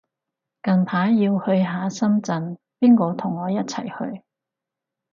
近排要去下深圳，邊個同我一齊去